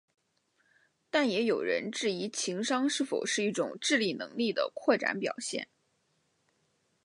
但也有人质疑情商是否是一种智力能力的扩展表现。